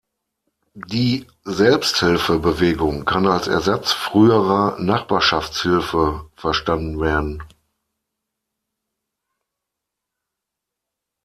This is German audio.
Die Selbsthilfe-Bewegung kann als Ersatz früherer Nachbarschaftshilfe verstanden werden.